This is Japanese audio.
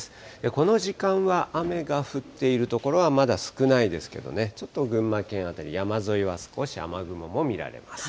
この時間は雨が降っている所は、まだ少ないですけどね、ちょっと群馬県辺り、山沿いは少し雨雲も見られます。